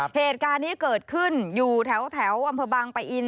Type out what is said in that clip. เหตุการณ์นี้เกิดขึ้นอยู่แถวอำเภอบางปะอิน